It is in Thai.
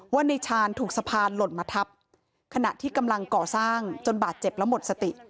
ว่าในชาญถูกสะพานหล่นมาทับขณะที่กำลังก่อสร้างจนบาดเจ็บแล้วหมดสติ